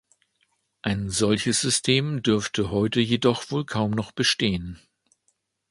Ein solches System dürfte heute jedoch wohl kaum noch bestehen.